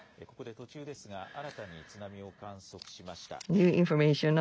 ここで途中ですが新たに津波を観測しました。